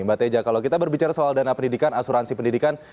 mbak teja kalau kita berbicara soal dana pendidikan asuransi pendidikan